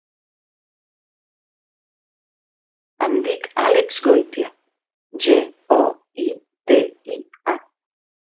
Em dic Àlex Goitia: ge, o, i, te, i, a.